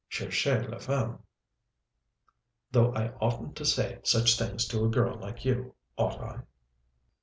[Cherchez la femme though I oughtn't to say such things to a girl like you, ought I?"